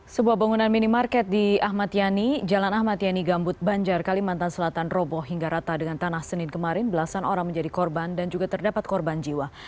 sebuah bangunan minimarket di ahmad yani jalan ahmad yani gambut banjar kalimantan selatan roboh hingga rata dengan tanah senin kemarin belasan orang menjadi korban dan juga terdapat korban jiwa